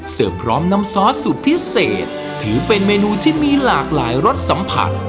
พร้อมน้ำซอสสูตรพิเศษถือเป็นเมนูที่มีหลากหลายรสสัมผัส